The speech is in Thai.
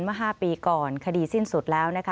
เมื่อ๕ปีก่อนคดีสิ้นสุดแล้วนะคะ